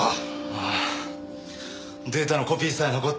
ああデータのコピーさえ残っていれば。